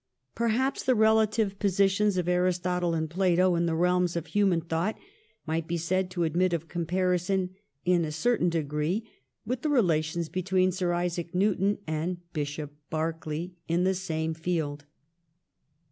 Perhaps the relative positions of Aristotle and Plato in the realms of human thought might be said to admit of comparison, in a certain degree, with the relations between Sir Isaac Newton and Bishop Berkeley in the same field.